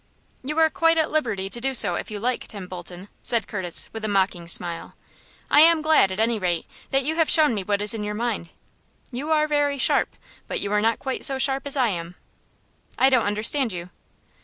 "You are quite at liberty to do so if you like, Tim Bolton," said Curtis, with a mocking smile. "I am glad, at any rate, that you have shown me what is in your mind. You are very sharp, but you are not quite so sharp as I am." "I don't understand you."